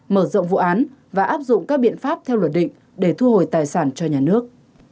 mở rộng vụ án và áp dụng các biện pháp theo luật định để thu hồi tài sản cho nhà nước